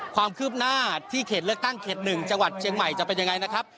ความคืบหน้าที่เขตเลือกตั้งเขต๑จังหวัดเชียงใหม่จะเป็นยังไงนะครับ